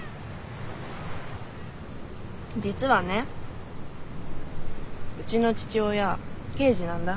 実はねうちの父親刑事なんだ。